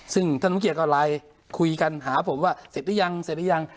ซึ่งท่านสมเกียจก็ไล่คุยกันหาผมว่าเสร็จหรือยัง